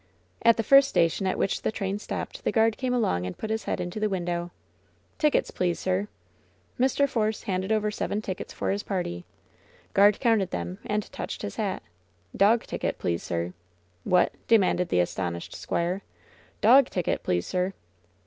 At the first station at which the train stopped, the guard came along and put his head into the window. "Tickets, please, sir." Mr. Force handed over seven tickets for his party. Guard counted them, and touched his hat. "Dog ticket, please, sir." ^^What ?" demanded the astonished squire. ^TDog ticket, please, sir."